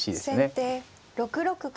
先手６六角。